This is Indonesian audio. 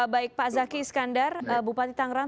baik pak zaki iskandar bupati tangerang